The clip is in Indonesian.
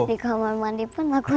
di kamar mandi pun aku